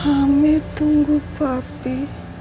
ami tunggu papi